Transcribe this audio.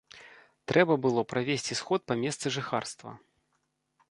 Трэба было правесці сход па месцы жыхарства.